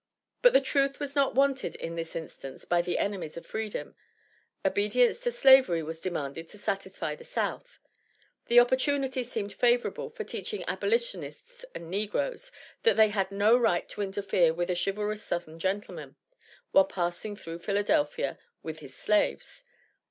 But the truth was not wanted in this instance by the enemies of Freedom; obedience to Slavery was demanded to satisfy the South. The opportunity seemed favorable for teaching abolitionists and negroes, that they had no right to interfere with a "chivalrous southern gentleman," while passing through Philadelphia with his slaves.